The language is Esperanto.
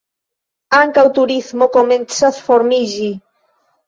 Ankaŭ turismo komencas formiĝi.